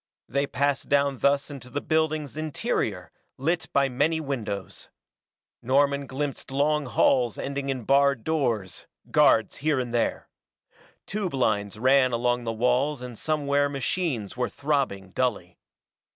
They passed down thus into the building's interior, lit by many windows. Norman glimpsed long halls ending in barred doors, guards here and there. Tube lines ran along the walls and somewhere machines were throbbing dully.